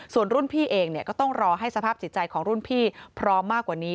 ส่วนรุ่นพี่เองก็ต้องรอให้สภาพจิตใจของรุ่นพี่พร้อมมากกว่านี้